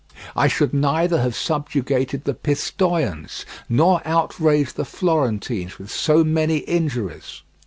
I should neither have subjugated the Pistoians, nor outraged the Florentines with so many injuries.